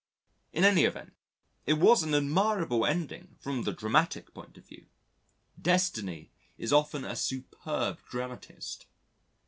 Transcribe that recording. In any event, it was an admirable ending from the dramatic point of view; Destiny is often a superb dramatist.